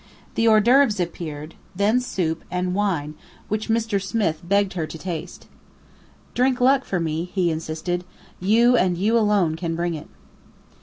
The hors d'oeuvres appeared; then soup, and wine, which Mr. Smith begged her to taste. "Drink luck for me," he insisted. "You and you alone can bring it."